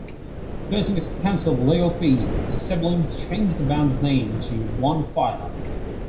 Facing expensive legal fees, the siblings changed the band's name to Blondfire.